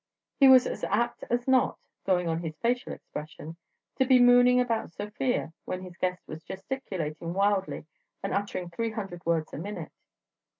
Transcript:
He was as apt as not (going on his facial expression) to be mooning about Sofia when his guest was gesticulating wildly and uttering three hundred words a minute.